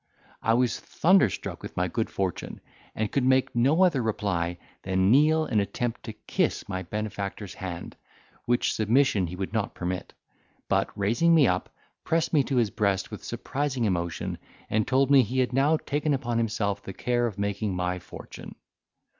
I was thunderstruck with my good fortune, and could make no other reply than kneel and attempt to kiss my benefactor's hand, which submission he would not permit; but, raising me up, pressed me to his breast with surprising emotion, and told me he had now taken upon himself the care of making my fortune.